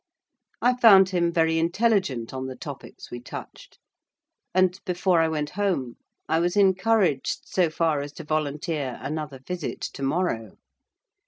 I found him very intelligent on the topics we touched; and before I went home, I was encouraged so far as to volunteer another visit to morrow.